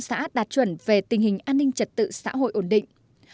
một mươi bốn xã đạt chuẩn về tình hình an ninh trật tự xã hội ổn định